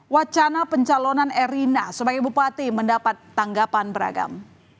wacana pencalonan erina sebagai bupati mendapat tanggapan beragam